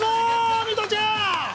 ミトちゃん。